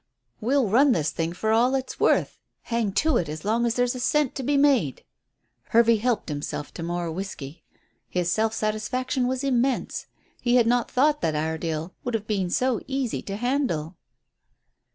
"We'll run this thing for all it's worth. Hang to it as long as there's a cent to be made." Hervey helped himself to more whisky. His self satisfaction was immense. He had not thought that Iredale would have been so easy to handle.